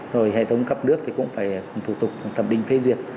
rồi hệ thống cấp nước thì cũng phải thủ tục tập đình phê duyệt